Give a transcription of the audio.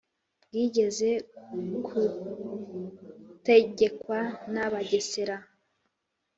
bwigeze gutegekwa n'abagesera.